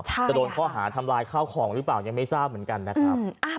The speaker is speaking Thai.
จะโดนข้อหาทำลายข้าวของหรือเปล่ายังไม่ทราบเหมือนกันนะครับ